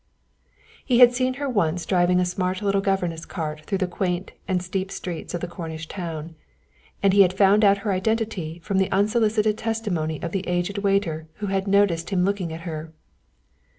He had seen her once driving a smart little governess cart through the quaint and steep streets of the Cornish town, and he had found out her identity from the unsolicited testimony of the aged waiter who had noticed him looking at her.